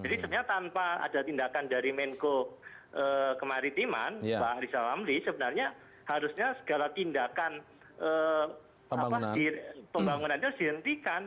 jadi sebenarnya tanpa ada tindakan dari menko kemaritiman pak arissa lamli sebenarnya harusnya segala tindakan pembangunannya dihentikan